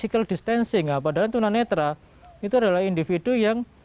jika riot wide alpha yang menemukan penyilis denganleri penghasilan pada menentukan penyidap gitu kan